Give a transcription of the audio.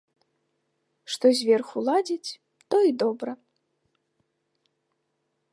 Што зверху ладзяць, то і добра.